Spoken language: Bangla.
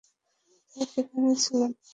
তাই সেখানে ছিলাম।